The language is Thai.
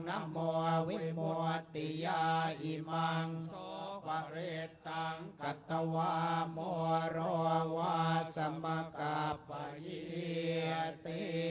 นัมวิมวติยาอิมังสวพระริตังคัตตวมรววสมกประหยิต